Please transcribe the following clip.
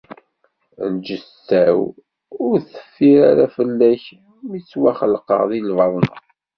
Lǧetta-w ur teffir ara fell-ak mi ttwaxelqeɣ di lbaḍna.